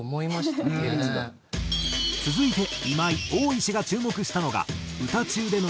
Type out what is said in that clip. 続いて今井オーイシが注目したのが。